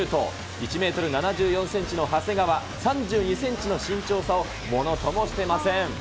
１メートル７４センチの長谷川、３２センチの身長差をものともしていません。